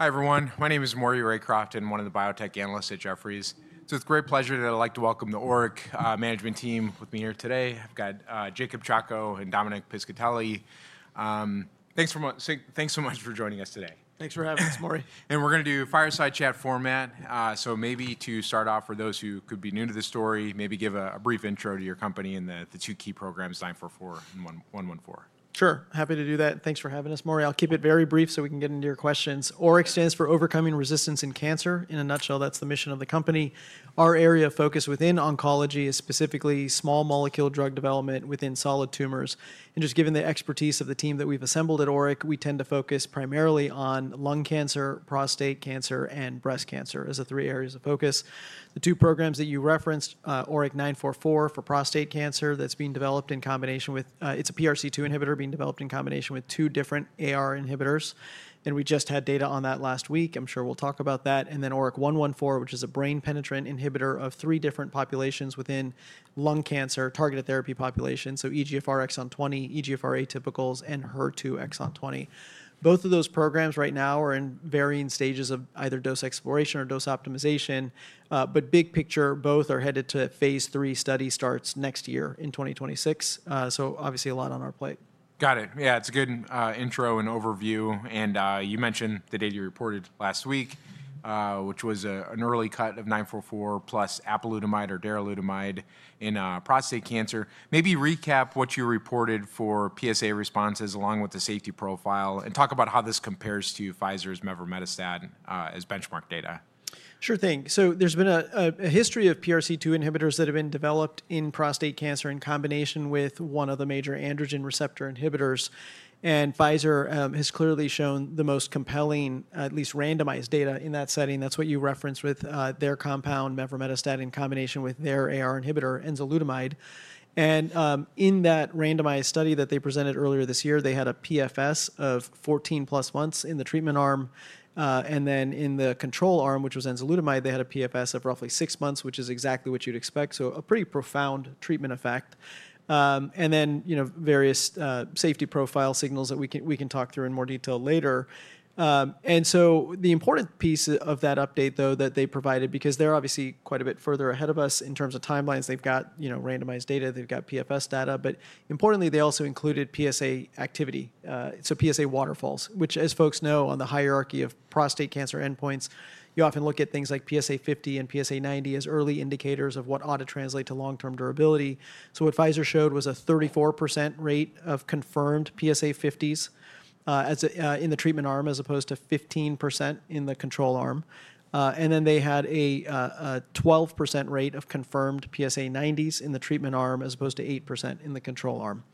Hi, everyone. My name is Maury Raycroft, and I'm one of the biotech analysts at Jefferies. It's with great pleasure that I'd like to welcome the ORIC management team with me here today. I've got Jacob Chacko and Dominic Piscitelli. Thanks so much for joining us today. Thanks for having us, Maury. We're going to do fireside chat format. Maybe to start off, for those who could be new to the story, maybe give a brief intro to your company and the two key programs 944 and 114. Sure. Happy to do that. Thanks for having us, Maury. I'll keep it very brief so we can get into your questions. ORIC stands for Overcoming Resistance in Cancer. In a nutshell, that's the mission of the company. Our area of focus within oncology is specifically small molecule drug development within solid tumors. Just given the expertise of the team that we've assembled at ORIC, we tend to focus primarily on Lung cancer, prostate cancer, and breast cancer as the three areas of focus. The two programs that you referenced, ORIC-944 for prostate cancer, that's being developed in combination with, it's a PRC2 inhibitor being developed in combination with two different AR inhibitors. We just had data on that last week. I'm sure we'll talk about that. ORIC-114, which is a brain-penetrant inhibitor of three different populations within lung cancer targeted therapy populations. EGFR exon 20, EGFR atypicals, and HER2 exon 20. Both of those programs right now are in varying stages of either dose exploration or dose optimization. Big picture, both are headed to phase three study starts next year in 2026. Obviously a lot on our plate. Got it. Yeah, it's a good intro and overview. You mentioned the data you reported last week, which was an early cut of 944 plus apalutamide or daralutamide in prostate cancer. Maybe recap what you reported for PSA responses along with the safety profile and talk about how this compares to Pfizer's Mevrometastat as benchmark data. Sure thing. There has been a history of PRC2 inhibitors that have been developed in prostate cancer in combination with one of the major androgen receptor inhibitors. Pfizer has clearly shown the most compelling, at least randomized data in that setting. That is what you referenced with their compound, Mevrometastat, in combination with their AR inhibitor, enzalutamide. In that randomized study that they presented earlier this year, they had a PFS of 14 plus months in the treatment arm. In the control arm, which was enzalutamide, they had a PFS of roughly six months, which is exactly what you would expect. A pretty profound treatment effect. There are various safety profile signals that we can talk through in more detail later. The important piece of that update, though, that they provided, because they're obviously quite a bit further ahead of us in terms of timelines, they've got randomized data, they've got PFS data, but importantly, they also included PSA activity, so PSA waterfalls, which, as folks know, on the hierarchy of prostate cancer endpoints, you often look at things like PSA50 and PSA90 as early indicators of what ought to translate to long-term durability. What Pfizer showed was a 34% rate of confirmed PSA50s in the treatment arm as opposed to 15% in the control arm. They had a 12% rate of confirmed PSA90s in the treatment arm as opposed to 8% in the control arm.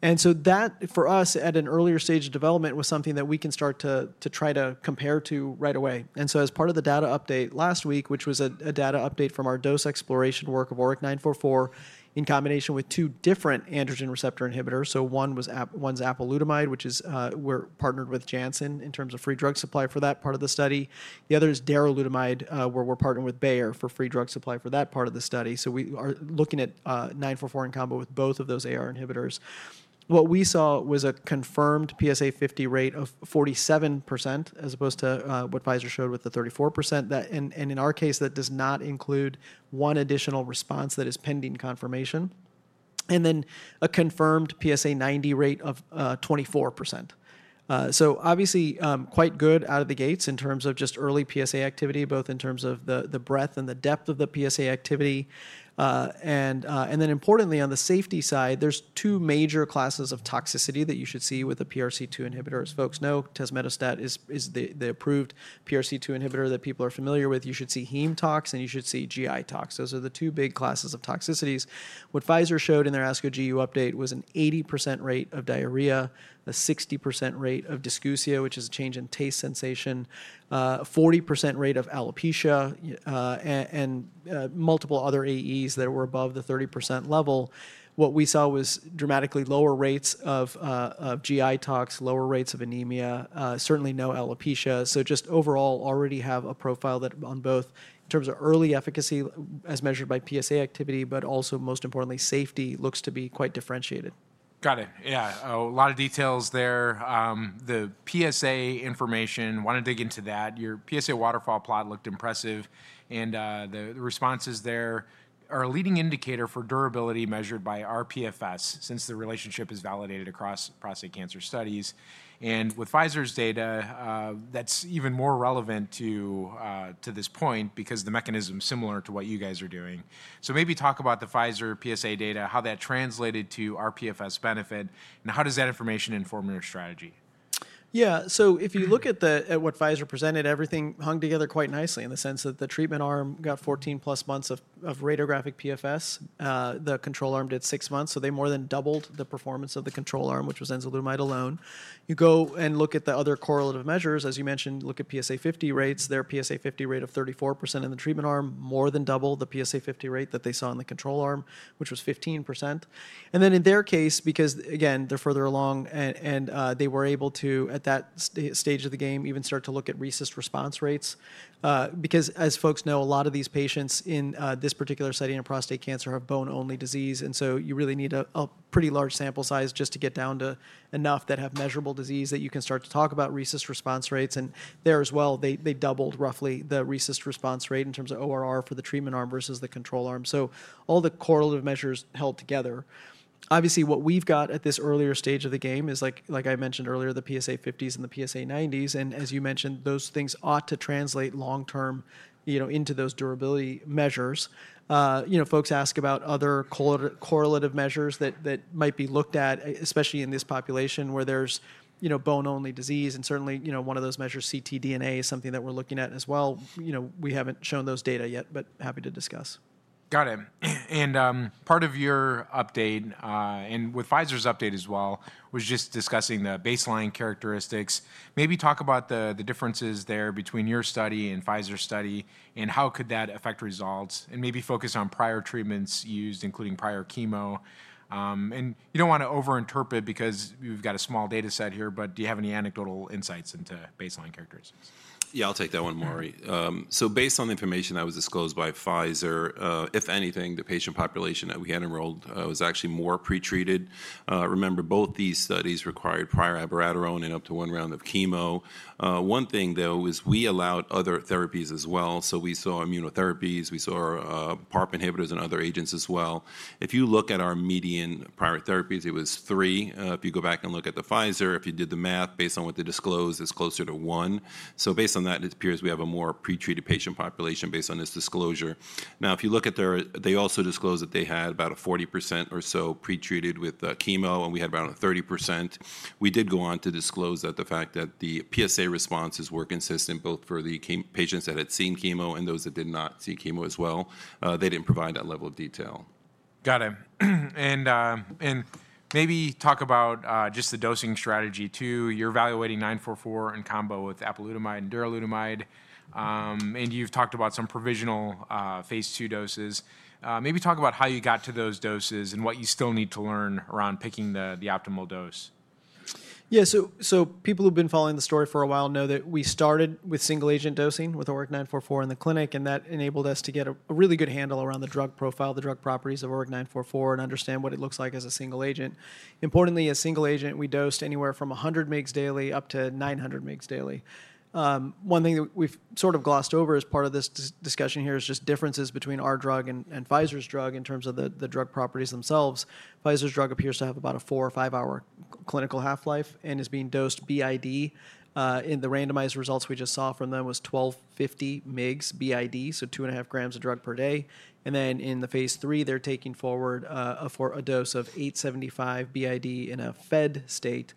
That, for us at an earlier stage of development, was something that we can start to try to compare to right away. As part of the data update last week, which was a data update from our dose exploration work of ORIC-944 in combination with two different androgen receptor inhibitors. One is apalutamide, which is where we partnered with Janssen & in terms of free drug supply for that part of the study. The other is daralutamide, where we are partnering with Bayer for free drug supply for that part of the study. We are looking at 944 in combo with both of those AR inhibitors. What we saw was a confirmed PSA50 rate of 47% as opposed to what Pfizer showed with 34%. In our case, that does not include one additional response that is pending confirmation. Then a confirmed PSA90 rate of 24%. Obviously quite good out of the gates in terms of just early PSA activity, both in terms of the breadth and the depth of the PSA activity. Importantly, on the safety side, there are two major classes of toxicity that you should see with the PRC2 inhibitors. Folks know tazemetostat is the approved PRC2 inhibitor that people are familiar with. You should see heme tox and you should see GI tox. Those are the two big classes of toxicities. What Pfizer showed in their ASCO-GU update was an 80% rate of diarrhea, a 60% rate of dysgeusia, which is a change in taste sensation, a 40% rate of alopecia, and multiple other AEs that were above the 30% level. What we saw was dramatically lower rates of GI tox, lower rates of anemia, certainly no alopecia. Just overall, already have a profile that on both in terms of early efficacy as measured by PSA activity, but also most importantly, safety looks to be quite differentiated. Got it. Yeah, a lot of details there. The PSA information, want to dig into that. Your PSA waterfall plot looked impressive. The responses there are a leading indicator for durability measured by our PFS since the relationship is validated across prostate cancer studies. With Pfizer's data, that's even more relevant to this point because the mechanism is similar to what you guys are doing. Maybe talk about the Pfizer PSA data, how that translated to our PFS benefit, and how does that information inform your strategy? Yeah, so if you look at what Pfizer presented, everything hung together quite nicely in the sense that the treatment arm got 14 plus months of radiographic PFS. The control arm did six months, so they more than doubled the performance of the control arm, which was enzalutamide alone. You go and look at the other correlative measures, as you mentioned, look at PSA50 rates. Their PSA50 rate of 34% in the treatment arm more than doubled the PSA50 rate that they saw in the control arm, which was 15%. In their case, because again, they're further along, and they were able to, at that stage of the game, even start to look at recessed response rates. Because as folks know, a lot of these patients in this particular setting of prostate cancer have bone-only disease. You really need a pretty large sample size just to get down to enough that have measurable disease that you can start to talk about RECIST response rates. There as well, they doubled roughly the RECIST response rate in terms of ORR for the treatment arm versus the control arm. All the correlative measures held together. Obviously, what we've got at this earlier stage of the game is, like I mentioned earlier, the PSA50s and the PSA90s. As you mentioned, those things ought to translate long-term into those durability measures. Folks ask about other correlative measures that might be looked at, especially in this population where there's bone-only disease. Certainly, one of those measures, ctDNA, is something that we're looking at as well. We haven't shown those data yet, but happy to discuss. Got it. Part of your update, and with Pfizer's update as well, was just discussing the baseline characteristics. Maybe talk about the differences there between your study and Pfizer's study and how could that affect results and maybe focus on prior treatments used, including prior chemo. You do not want to overinterpret because we've got a small data set here, but do you have any anecdotal insights into baseline characteristics? Yeah, I'll take that one, Maury. Based on the information that was disclosed by Pfizer, if anything, the patient population that we had enrolled was actually more pretreated. Remember, both these studies required prior abiraterone and up to one round of chemo. One thing, though, is we allowed other therapies as well. We saw immunotherapies, we saw PARP inhibitors and other agents as well. If you look at our median prior therapies, it was three. If you go back and look at the Pfizer, if you did the math based on what they disclosed, it's closer to one. Based on that, it appears we have a more pretreated patient population based on this disclosure. If you look at their, they also disclosed that they had about a 40% or so pretreated with chemo, and we had about a 30%. We did go on to disclose that the fact that the PSA responses were consistent both for the patients that had seen chemo and those that did not see chemo as well. They did not provide that level of detail. Got it. Maybe talk about just the dosing strategy too. You're evaluating 944 in combo with apalutamide and daralutamide. You've talked about some provisional phase two doses. Maybe talk about how you got to those doses and what you still need to learn around picking the optimal dose. Yeah, so people who've been following the story for a while know that we started with single-agent dosing with ORIC-944 in the clinic, and that enabled us to get a really good handle around the drug profile, the drug properties of ORIC-944, and understand what it looks like as a single agent. Importantly, as a single agent, we dosed anywhere from 100 mg daily up to 900 mg daily. One thing that we've sort of glossed over as part of this discussion here is just differences between our drug and Pfizer's drug in terms of the drug properties themselves. Pfizer's drug appears to have about a four or five-hour clinical half-life and is being dosed b.i.d. In the randomized results we just saw from them was 1,250 mg b.i.d., so two and a half grams of drug per day. In the phase three, they're taking forward a dose of 875 b.i.d. in a fed state,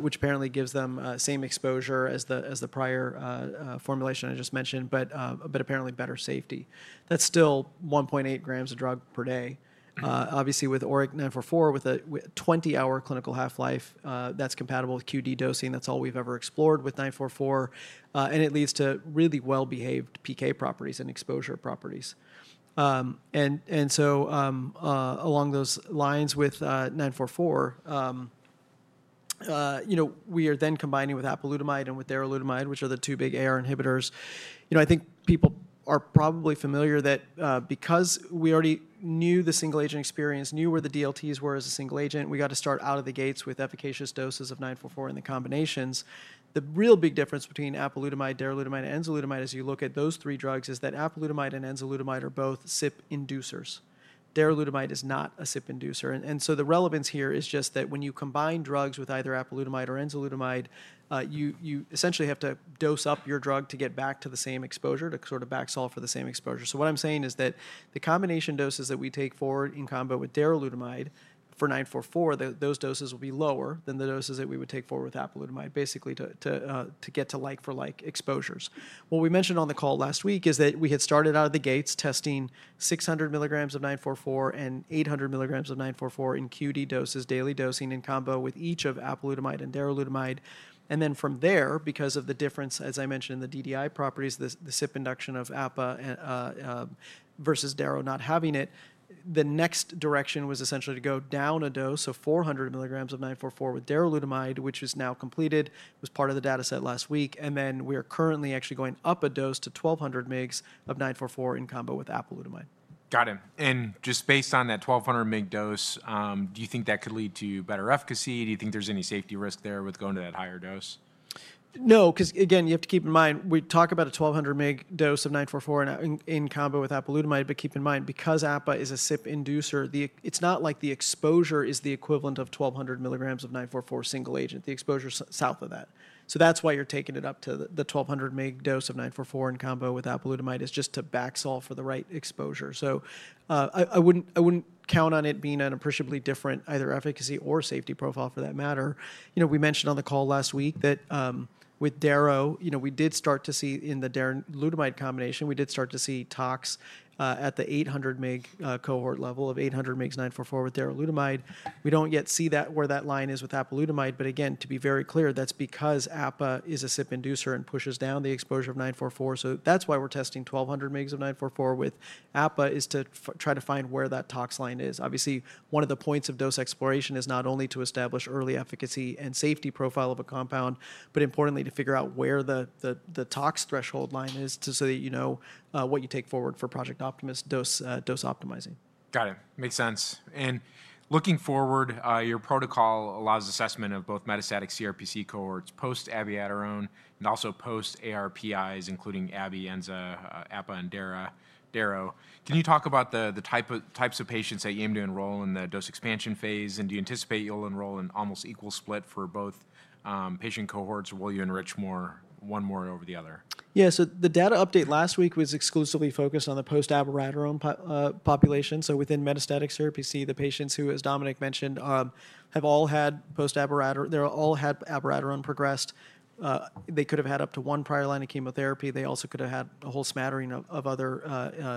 which apparently gives them same exposure as the prior formulation I just mentioned, but apparently better safety. That's still 1.8 grams of drug per day. Obviously, with ORIC-944, with a 20-hour clinical half-life, that's compatible with QD dosing. That's all we've ever explored with 944. It leads to really well-behaved PK properties and exposure properties. Along those lines with 944, we are then combining with apalutamide and with daralutamide, which are the two big AR inhibitors. I think people are probably familiar that because we already knew the single-agent experience, knew where the DLTs were as a single agent, we got to start out of the gates with efficacious doses of 944 in the combinations. The real big difference between apalutamide, daralutamide, and enzalutamide, as you look at those three drugs, is that apalutamide and enzalutamide are both CYP inducers. Daralutamide is not a CYP inducer. The relevance here is just that when you combine drugs with either apalutamide or enzalutamide, you essentially have to dose up your drug to get back to the same exposure, to sort of back solve for the same exposure. What I'm saying is that the combination doses that we take forward in combo with daralutamide for 944, those doses will be lower than the doses that we would take forward with apalutamide, basically to get to like-for-like exposures. What we mentioned on the call last week is that we had started out of the gates testing 600 milligrams of 944 and 800 milligrams of 944 in QD doses, daily dosing in combo with each of apalutamide and daralutamide. From there, because of the difference, as I mentioned in the DDI properties, the CYP induction of APA versus daro not having it, the next direction was essentially to go down a dose of 400 milligrams of 944 with daralutamide, which is now completed, was part of the data set last week. We are currently actually going up a dose to 1,200 milligrams of 944 in combo with apalutamide. Got it. Just based on that 1,200 mg dose, do you think that could lead to better efficacy? Do you think there's any safety risk there with going to that higher dose? No, because again, you have to keep in mind, we talk about a 1,200 mg dose of 944 in combo with apalutamide, but keep in mind, because APA is a CYP inducer, it's not like the exposure is the equivalent of 1,200 mg of 944 single agent. The exposure is south of that. That's why you're taking it up to the 1,200 mg dose of 944 in combo with apalutamide, just to back solve for the right exposure. I wouldn't count on it being an appreciably different either efficacy or safety profile for that matter. We mentioned on the call last week that with daro, we did start to see in the daralutamide combination, we did start to see tox at the 800 mg cohort level of 800 mg 944 with daralutamide. We do not yet see where that line is with apalutamide, but again, to be very clear, that is because APA is a CYP inducer and pushes down the exposure of 944. That is why we are testing 1,200 mg of 944 with APA, to try to find where that tox line is. Obviously, one of the points of dose exploration is not only to establish early efficacy and safety profile of a compound, but importantly, to figure out where the tox threshold line is so that you know what you take forward for Project Optimus dose optimizing. Got it. Makes sense. Looking forward, your protocol allows assessment of both metastatic CRPC cohorts post-abiraterone and also post-ARPIs, including ab, enza, APA, and daro. Can you talk about the types of patients that you aim to enroll in the dose expansion phase? Do you anticipate you'll enroll in almost equal split for both patient cohorts or will you enrich one more over the other? Yeah, so the data update last week was exclusively focused on the post-abiraterone population. Within metastatic CRPC, the patients who, as Dominic mentioned, have all had post-abiraterone, they all had abiraterone progressed. They could have had up to one prior line of chemotherapy. They also could have had a whole smattering of other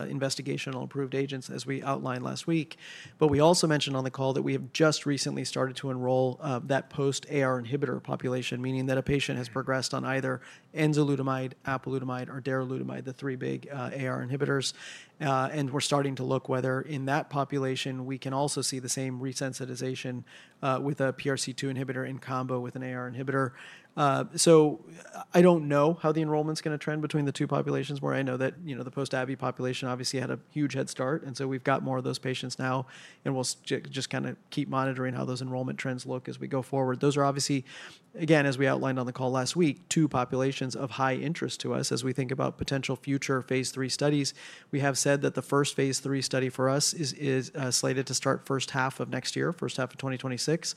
investigational approved agents, as we outlined last week. We also mentioned on the call that we have just recently started to enroll that post-AR inhibitor population, meaning that a patient has progressed on either enzalutamide, apalutamide, or daralutamide, the three big AR inhibitors. We're starting to look whether in that population, we can also see the same resensitization with a PRC2 inhibitor in combo with an AR inhibitor. I do not know how the enrollment's going to trend between the two populations, where I know that the post-ABI population obviously had a huge head start. We have more of those patients now, and we'll just kind of keep monitoring how those enrollment trends look as we go forward. Those are obviously, again, as we outlined on the call last week, two populations of high interest to us as we think about potential future phase three studies. We have said that the first phase three study for us is slated to start first half of next year, first half of 2026.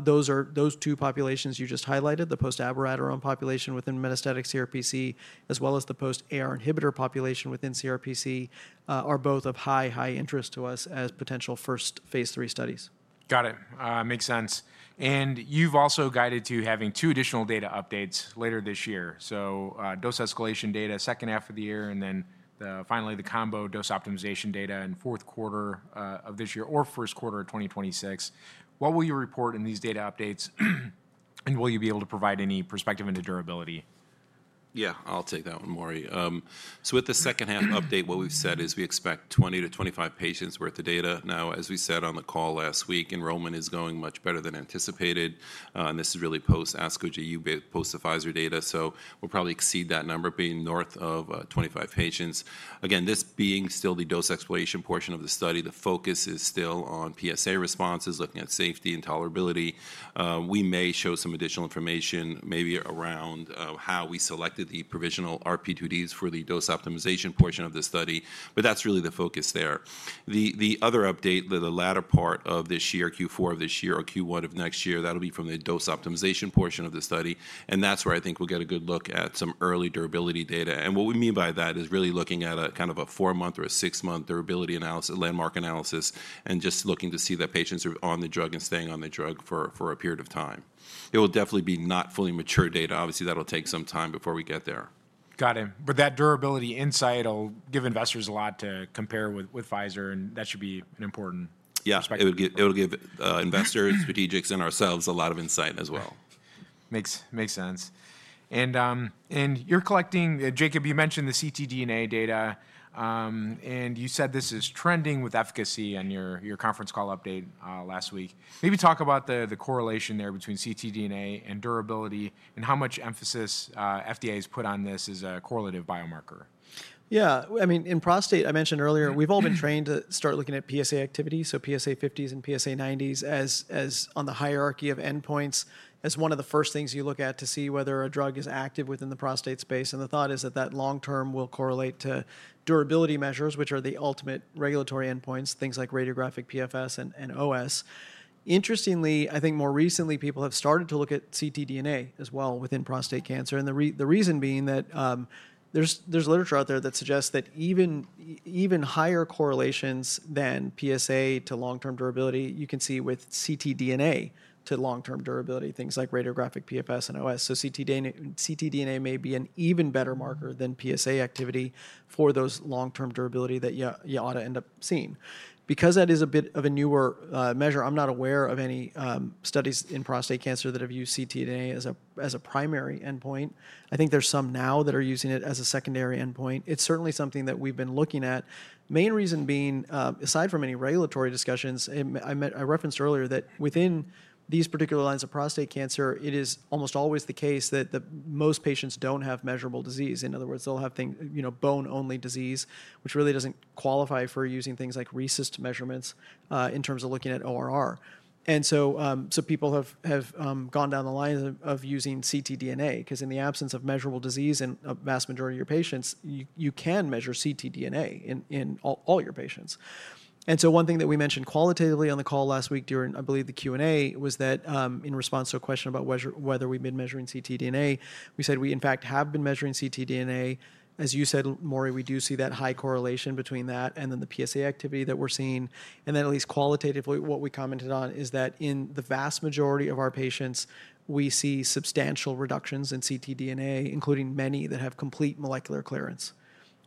Those two populations you just highlighted, the post-abiraterone population within metastatic CRPC, as well as the post-AR inhibitor population within CRPC, are both of high, high interest to us as potential first phase three studies. Got it. Makes sense. You have also guided to having two additional data updates later this year. Dose escalation data second half of the year, and then finally the combo dose optimization data in fourth quarter of this year or first quarter of 2026. What will you report in these data updates, and will you be able to provide any perspective into durability? Yeah, I'll take that one, Maury. With the second half update, what we've said is we expect 20-25 patients' worth of data. As we said on the call last week, enrollment is going much better than anticipated. This is really post-ASCO, GU, post-APHYSER data. We'll probably exceed that number, being north of 25 patients. This being still the dose exploration portion of the study, the focus is still on PSA responses, looking at safety and tolerability. We may show some additional information, maybe around how we selected the provisional RP2Ds for the dose optimization portion of the study, but that's really the focus there. The other update, the latter part of this year, Q4 of this year or Q1 of next year, that'll be from the dose optimization portion of the study. That is where I think we'll get a good look at some early durability data. What we mean by that is really looking at a kind of a four-month or a six-month durability analysis, landmark analysis, and just looking to see that patients are on the drug and staying on the drug for a period of time. It will definitely be not fully mature data. Obviously, that'll take some time before we get there. Got it. That durability insight will give investors a lot to compare with Pfizer, and that should be an important perspective. Yeah, it'll give investors, strategics, and ourselves a lot of insight as well. Makes sense. You are collecting, Jacob, you mentioned the ctDNA data, and you said this is trending with efficacy on your conference call update last week. Maybe talk about the correlation there between ctDNA and durability and how much emphasis FDA has put on this as a correlative biomarker. Yeah, I mean, in prostate, I mentioned earlier, we've all been trained to start looking at PSA activity, so PSA50s and PSA90s on the hierarchy of endpoints as one of the first things you look at to see whether a drug is active within the prostate space. The thought is that that long-term will correlate to durability measures, which are the ultimate regulatory endpoints, things like radiographic PFS and OS. Interestingly, I think more recently people have started to look at ctDNA as well within prostate cancer. The reason being that there's literature out there that suggests that even higher correlations than PSA to long-term durability, you can see with ctDNA to long-term durability, things like radiographic PFS and OS. ctDNA may be an even better marker than PSA activity for those long-term durability that you ought to end up seeing. Because that is a bit of a newer measure, I'm not aware of any studies in prostate cancer that have used ctDNA as a primary endpoint. I think there's some now that are using it as a secondary endpoint. It's certainly something that we've been looking at. Main reason being, aside from any regulatory discussions, I referenced earlier that within these particular lines of prostate cancer, it is almost always the case that most patients don't have measurable disease. In other words, they'll have bone-only disease, which really doesn't qualify for using things like RECIST measurements in terms of looking at ORR. People have gone down the lines of using ctDNA because in the absence of measurable disease in a vast majority of your patients, you can measure ctDNA in all your patients. One thing that we mentioned qualitatively on the call last week during, I believe, the Q&A was that in response to a question about whether we've been measuring ctDNA, we said we in fact have been measuring ctDNA. As you said, Maury, we do see that high correlation between that and then the PSA activity that we're seeing. At least qualitatively, what we commented on is that in the vast majority of our patients, we see substantial reductions in ctDNA, including many that have complete molecular clearance.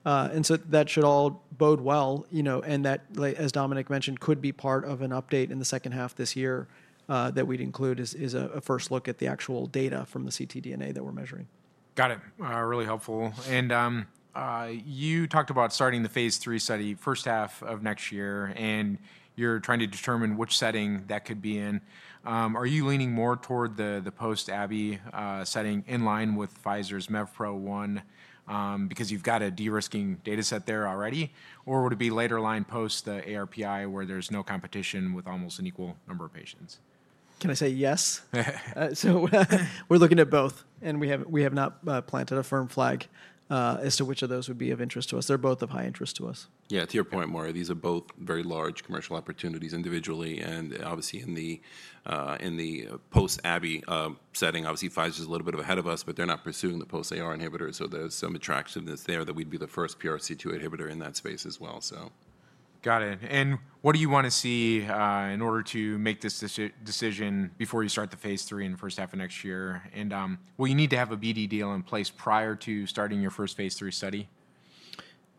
That should all bode well. That, as Dominic mentioned, could be part of an update in the second half this year that we'd include as a first look at the actual data from the ctDNA that we're measuring. Got it. Really helpful. You talked about starting the phase three study first half of next year, and you're trying to determine which setting that could be in. Are you leaning more toward the post-ABI setting in line with Pfizer's MEVPRO-1 because you've got a de-risking data set there already? Or would it be later line post the ARPI where there's no competition with almost an equal number of patients? Can I say yes? We're looking at both, and we have not planted a firm flag as to which of those would be of interest to us. They're both of high interest to us. Yeah, to your point, Maury, these are both very large commercial opportunities individually. Obviously, in the post-ABI setting, obviously, Pfizer is a little bit ahead of us, but they're not pursuing the post-AR inhibitor. There's some attraction that's there that we'd be the first PRC2 inhibitor in that space as well. Got it. What do you want to see in order to make this decision before you start the phase three in the first half of next year? Will you need to have a BDDL in place prior to starting your first phase three study?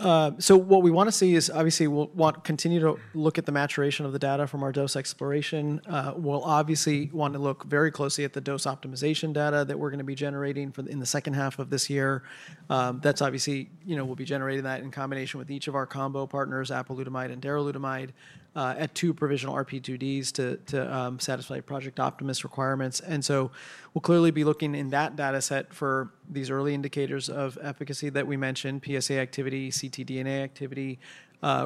What we want to see is obviously we'll continue to look at the maturation of the data from our dose exploration. We'll obviously want to look very closely at the dose optimization data that we're going to be generating in the second half of this year. That's obviously we'll be generating that in combination with each of our combo partners, apalutamide and daralutamide, at two provisional RP2Ds to satisfy project optimist requirements. We'll clearly be looking in that data set for these early indicators of efficacy that we mentioned, PSA activity, ctDNA activity,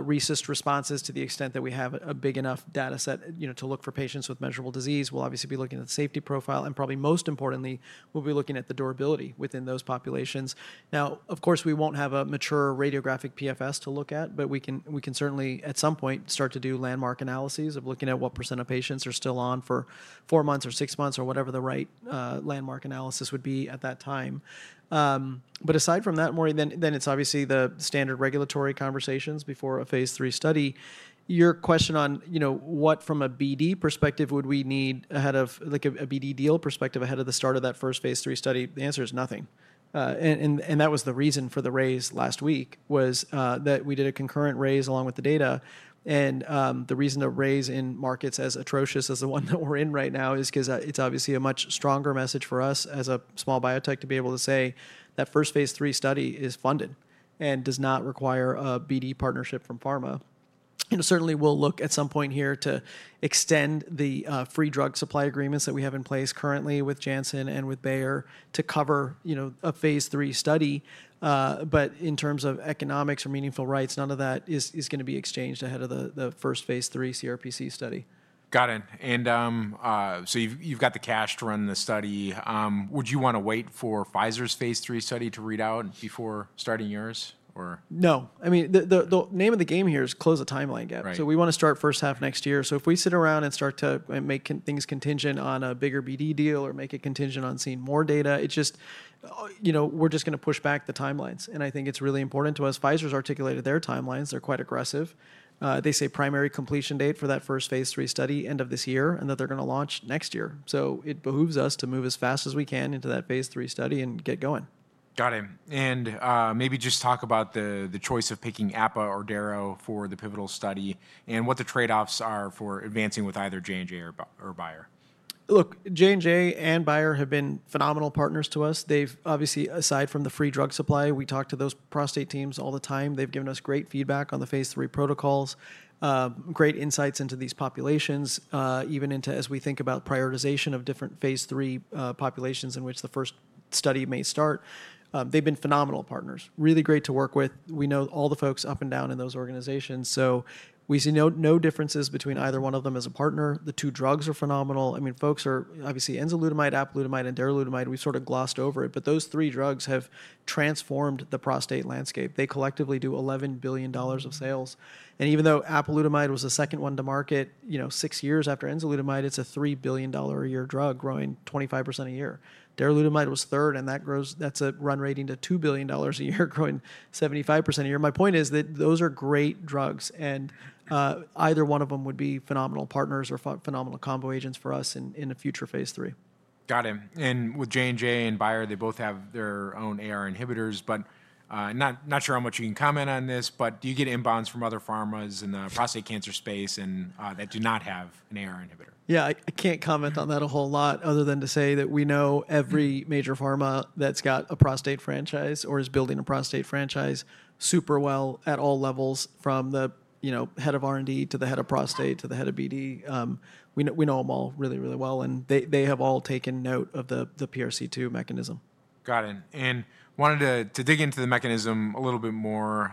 recessed responses to the extent that we have a big enough data set to look for patients with measurable disease. We'll obviously be looking at the safety profile. Probably most importantly, we'll be looking at the durability within those populations. Now, of course, we won't have a mature radiographic PFS to look at, but we can certainly at some point start to do landmark analyses of looking at what % of patients are still on for four months or six months or whatever the right landmark analysis would be at that time. Aside from that, Maury, then it's obviously the standard regulatory conversations before a phase three study. Your question on what from a BD perspective would we need ahead of a BDDL perspective ahead of the start of that first phase three study, the answer is nothing. That was the reason for the raise last week was that we did a concurrent raise along with the data. The reason to raise in markets as atrocious as the one that we're in right now is because it's obviously a much stronger message for us as a small biotech to be able to say that first phase three study is funded and does not require a BD partnership from pharma. Certainly, we'll look at some point here to extend the free drug supply agreements that we have in place currently with Janssen and with Bayer to cover a phase three study. In terms of economics or meaningful rights, none of that is going to be exchanged ahead of the first phase three CRPC study. Got it. You have the cash to run the study. Would you want to wait for Pfizer's phase three study to read out before starting yours? No. I mean, the name of the game here is close a timeline gap. We want to start first half next year. If we sit around and start to make things contingent on a bigger BD deal or make it contingent on seeing more data, it's just we're just going to push back the timelines. I think it's really important to us. Pfizer's articulated their timelines. They're quite aggressive. They say primary completion date for that first phase three study, end of this year, and that they're going to launch next year. It behooves us to move as fast as we can into that phase three study and get going. Got it. Maybe just talk about the choice of picking APA or DARO for the pivotal study and what the trade-offs are for advancing with either J&J or Bayer. Look, J&J and Bayer have been phenomenal partners to us. They've obviously, aside from the free drug supply, we talk to those prostate teams all the time. They've given us great feedback on the phase three protocols, great insights into these populations, even into as we think about prioritization of different phase three populations in which the first study may start. They've been phenomenal partners, really great to work with. We know all the folks up and down in those organizations. We see no differences between either one of them as a partner. The two drugs are phenomenal. I mean, folks are obviously enzalutamide, apalutamide, and daralutamide. We've sort of glossed over it, but those three drugs have transformed the prostate landscape. They collectively do $11 billion of sales. Even though apalutamide was the second one to market six years after enzalutamide, it is a $3 billion a year drug growing 25% a year. Daralutamide was third, and that is a run rating to $2 billion a year growing 75% a year. My point is that those are great drugs, and either one of them would be phenomenal partners or phenomenal combo agents for us in a future phase three. Got it. With J&J and Bayer, they both have their own AR inhibitors, but not sure how much you can comment on this, but do you get inbounds from other pharmas in the prostate cancer space that do not have an AR inhibitor? Yeah, I can't comment on that a whole lot other than to say that we know every major pharma that's got a prostate franchise or is building a prostate franchise super well at all levels from the Head of R&D to the Head of Prostate to the Head of BD. We know them all really, really well, and they have all taken note of the PRC2 mechanism. Got it. I wanted to dig into the mechanism a little bit more,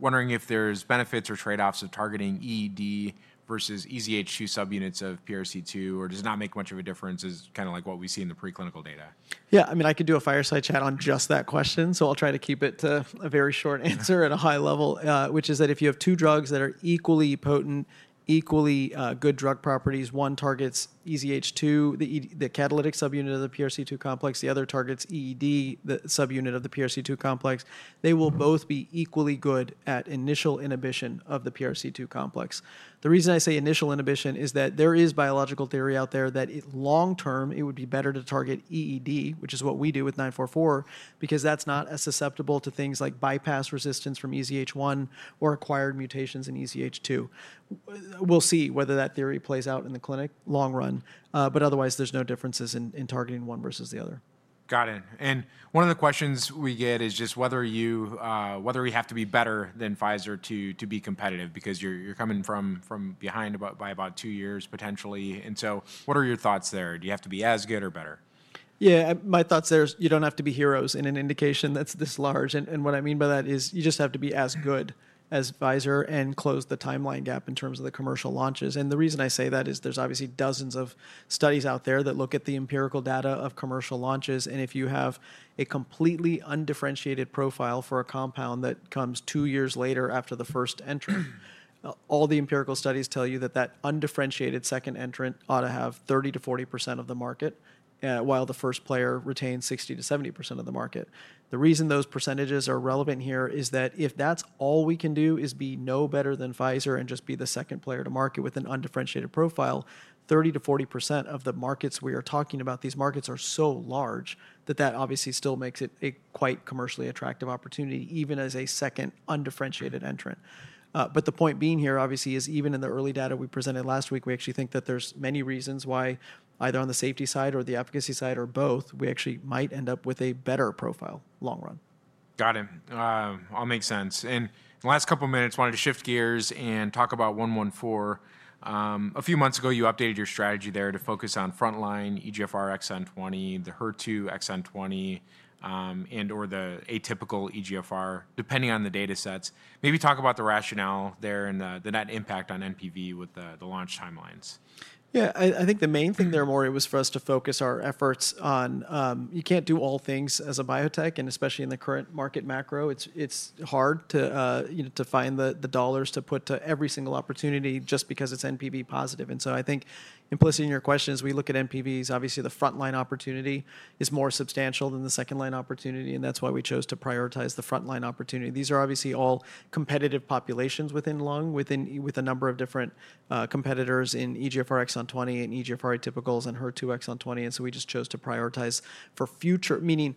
wondering if there's benefits or trade-offs of targeting EED versus EZH2 subunits of PRC2, or does it not make much of a difference, is kind of like what we see in the preclinical data? Yeah, I mean, I could do a fireside chat on just that question, so I'll try to keep it to a very short answer at a high level, which is that if you have two drugs that are equally potent, equally good drug properties, one targets EZH2, the catalytic subunit of the PRC2 complex, the other targets EED, the subunit of the PRC2 complex, they will both be equally good at initial inhibition of the PRC2 complex. The reason I say initial inhibition is that there is biological theory out there that long-term, it would be better to target EED, which is what we do with 944, because that's not as susceptible to things like bypass resistance from EZH1 or acquired mutations in EZH2. We'll see whether that theory plays out in the clinic long run, but otherwise, there's no differences in targeting one versus the other. Got it. One of the questions we get is just whether we have to be better than Pfizer to be competitive because you're coming from behind by about two years potentially. What are your thoughts there? Do you have to be as good or better? Yeah, my thoughts there is you don't have to be heroes in an indication that's this large. What I mean by that is you just have to be as good as Pfizer and close the timeline gap in terms of the commercial launches. The reason I say that is there's obviously dozens of studies out there that look at the empirical data of commercial launches. If you have a completely undifferentiated profile for a compound that comes two years later after the first entrant, all the empirical studies tell you that that undifferentiated second entrant ought to have 30%-40% of the market, while the first player retains 60%-70% of the market. The reason those percentages are relevant here is that if that's all we can do is be no better than Pfizer and just be the second player to market with an undifferentiated profile, 30%-40% of the markets we are talking about, these markets are so large that that obviously still makes it a quite commercially attractive opportunity, even as a second undifferentiated entrant. The point being here, obviously, is even in the early data we presented last week, we actually think that there's many reasons why either on the safety side or the efficacy side or both, we actually might end up with a better profile long run. Got it. All makes sense. In the last couple of minutes, wanted to shift gears and talk about 114. A few months ago, you updated your strategy there to focus on frontline EGFR exon 20, the HER2 exon 20, and/or the atypical EGFR, depending on the data sets. Maybe talk about the rationale there and the net impact on NPV with the launch timelines. Yeah, I think the main thing there, Maury, was for us to focus our efforts on you can't do all things as a biotech, and especially in the current market macro, it's hard to find the dollars to put to every single opportunity just because it's NPV positive. I think implicit in your questions, we look at NPVs, obviously the frontline opportunity is more substantial than the second line opportunity, and that's why we chose to prioritize the frontline opportunity. These are obviously all competitive populations within lung with a number of different competitors in EGFR exon 20 and EGFR atypicals and HER2 exon 20. We just chose to prioritize for future, meaning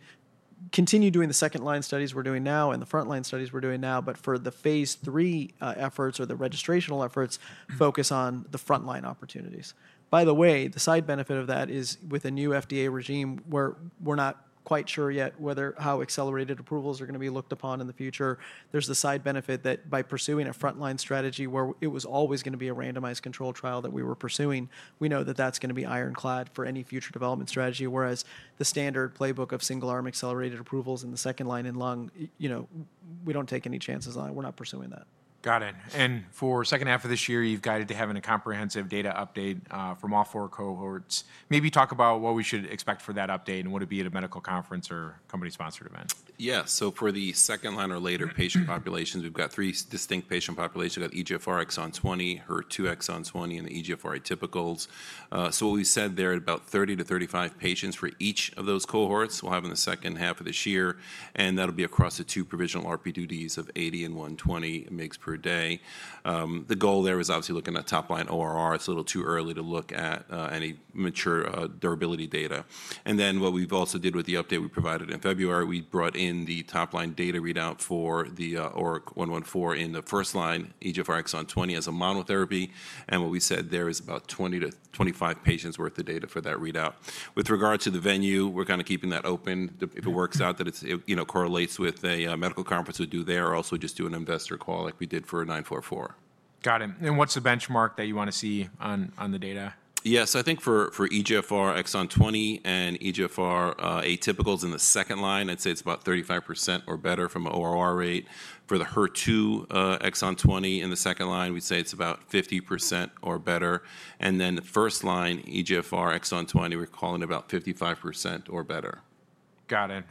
continue doing the second line studies we're doing now and the frontline studies we're doing now, but for the phase three efforts or the registrational efforts, focus on the frontline opportunities. By the way, the side benefit of that is with a new FDA regime where we're not quite sure yet how accelerated approvals are going to be looked upon in the future. There's the side benefit that by pursuing a frontline strategy where it was always going to be a randomized control trial that we were pursuing, we know that that's going to be ironclad for any future development strategy, whereas the standard playbook of single-arm accelerated approvals in the second line in lung, we don't take any chances on it. We're not pursuing that. Got it. For the second half of this year, you've guided to having a comprehensive data update from all four cohorts. Maybe talk about what we should expect for that update and what it would be at a medical conference or company-sponsored event. Yeah, so for the second line or later patient populations, we've got three distinct patient populations. We've got EGFR exon 20, HER2 exon 20, and the EGFR atypicals. What we said there is about 30%-35% patients for each of those cohorts we'll have in the second half of this year, and that'll be across the two provisional RP2Ds of 80 mg and 120 mg per day. The goal there is obviously looking at topline ORR. It's a little too early to look at any mature durability data. What we've also did with the update we provided in February, we brought in the topline data readout for the ORIC-114 in the first line, EGFR exon 20 as a monotherapy. What we said there is about 20%-25% patients' worth of data for that readout. With regard to the venue, we're kind of keeping that open. If it works out that it correlates with a medical conference, we'll do there or also just do an investor call like we did for 944. Got it. What's the benchmark that you want to see on the data? Yeah, so I think for EGFR exon 20 and EGFR atypicals in the second line, I'd say it's about 35% or better from an ORR rate. For the HER2 exon 20 in the second line, we'd say it's about 50% or better. Then the first line EGFR exon 20, we're calling about 55% or better. Got it.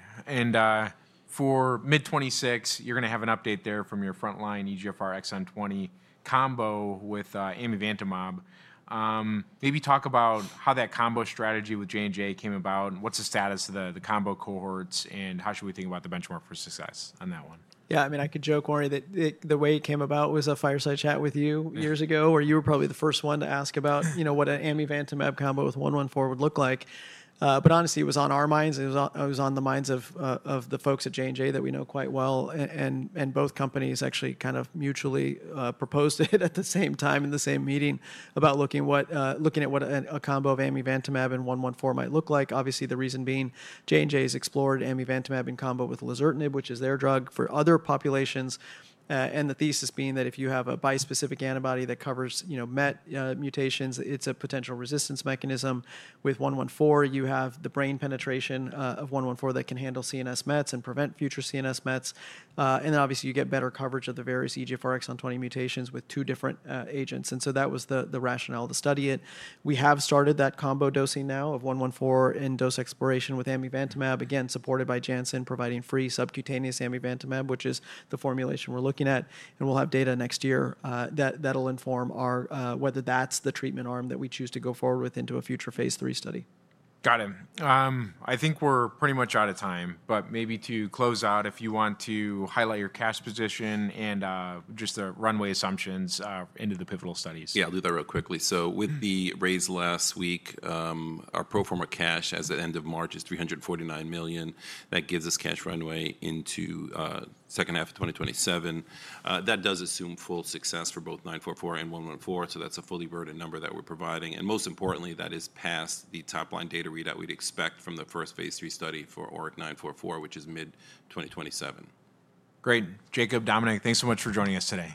For mid-2026, you're going to have an update there from your frontline EGFR exon 20 combo with Amivantamab. Maybe talk about how that combo strategy with J&J came about and what's the status of the combo cohorts and how should we think about the benchmark for success on that one? Yeah, I mean, I could joke, Maury, that the way it came about was a fireside chat with you years ago where you were probably the first one to ask about what an Amivantamab combo with 114 would look like. Honestly, it was on our minds. It was on the minds of the folks at J&J that we know quite well. Both companies actually kind of mutually proposed it at the same time in the same meeting about looking at what a combo of Amivantamab and 114 might look like. Obviously, the reason being J&J has explored Amivantamab in combo with Lazertinib, which is their drug for other populations. The thesis being that if you have a bispecific antibody that covers MET mutations, it is a potential resistance mechanism. With 114, you have the brain penetration of 114 that can handle CNS mets and prevent future CNS mets. Obviously, you get better coverage of the various EGFR exon 20 mutations with two different agents. That was the rationale to study it. We have started that combo dosing now of 114 in dose exploration with Amivantamab, again, supported by Janssen providing free subcutaneous Amivantamab, which is the formulation we're looking at. We'll have data next year that'll inform whether that's the treatment arm that we choose to go forward with into a future phase three study. Got it. I think we're pretty much out of time, but maybe to close out, if you want to highlight your cash position and just the runway assumptions into the pivotal studies. Yeah, I'll do that real quickly. With the raise last week, our pro forma cash as of end of March is $349 million. That gives us cash runway into the second half of 2027. That does assume full success for both 944 and 114. That's a fully burdened number that we're providing. Most importantly, that is past the topline data readout we'd expect from the first phase three study for ORIC-944, which is mid-2027. Great. Jacob, Dominic, thanks so much for joining us today.